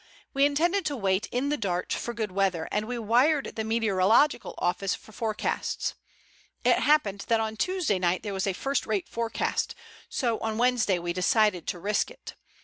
We intended to wait in the Dart for good weather, and we wired the Meteorological Office for forecasts. It happened that on Tuesday night there was a first rate forecast, so on Wednesday we decided to risk it.